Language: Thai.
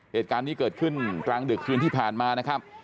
เหตุการณ์นี้เกิดขึ้นกลางดึกคืนที่ผ่านมานะครับ